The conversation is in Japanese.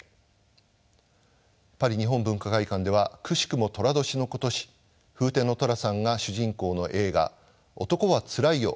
パリ日本文化会館ではくしくも寅年の今年フーテンの寅さんが主人公の映画「男はつらいよ」